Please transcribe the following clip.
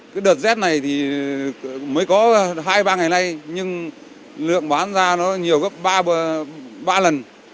cái đợt rét này thì mới có hai ba ngày nay nhưng lượng bán ra nó nhiều gấp ba lần